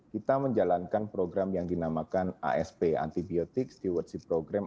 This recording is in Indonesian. kita menjalankan program yang dinamakan asp antibiotik stewardship program